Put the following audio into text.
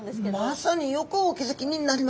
まさによくお気付きになりました。